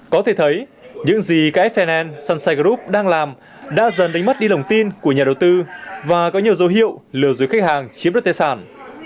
có thể thấy những gì ks finance sunset group đang làm đã dần đánh mất đi lồng tin của nhà đầu tư và có nhiều dấu hiệu lừa dối khách hàng chiếm đất tài sản